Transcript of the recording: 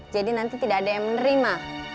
jadi nanti tidak ada yang menerima